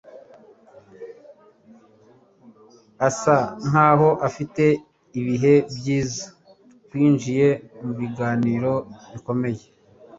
asa nkaho afite ibihe byiza. Twinjiye mubiganiro bikomeye.